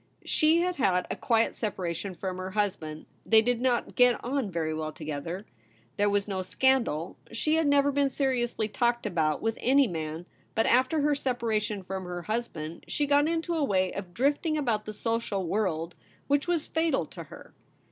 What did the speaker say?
She had had a quiet separation from her husband. They did not get on very well together. There was no scandal ; she had never been seriously talked about with any man, but after her separation from her husband she got into a way of drifting about the social world which was fatal to her.